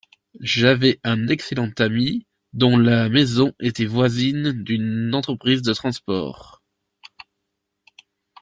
J’avais un excellent ami dont la maison était voisine d’une entreprise de transport.